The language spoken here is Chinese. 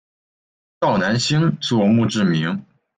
赵南星作墓志铭。